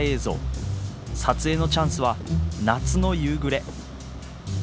撮影のチャンスは夏の夕暮れ。